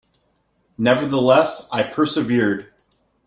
Nevertheless, I persevered.